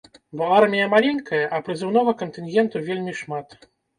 Бо армія маленькая, а прызыўнога кантынгенту вельмі шмат.